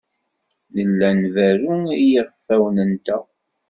Nella nberru i yiɣfawen-nteɣ.